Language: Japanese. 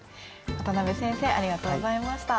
渡辺先生ありがとうございました。